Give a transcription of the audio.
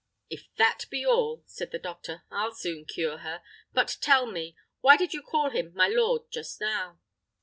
"If that be all," said the doctor, "I'll soon cure her. But tell me, why did you call him 'my lord,' just now?"